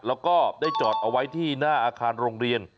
แล้วก็ได้จอดเอาไว้ที่หน้าอาคารโรงเรียน